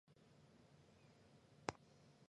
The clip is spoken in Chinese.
该物种的模式产地在黑龙江。